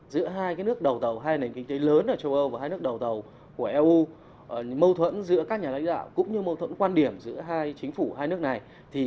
giữa hai nước đầu tàu hai nền kinh tế lớn ở châu âu và hai nước đầu tàu của eu mâu thuẫn giữa các nhà lãnh đạo cũng như mâu thuẫn quan điểm giữa hai chính phủ hai nước này